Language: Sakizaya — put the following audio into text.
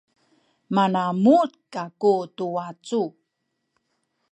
manamuh kaku tu wacu